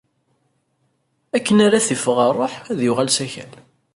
Akken ara t-iffeɣ ṛṛuḥ, ad yuɣal s akal.